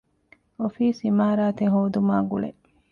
އޮފީސް އިމާރާތެއް ހޯދުމާ ގުޅޭ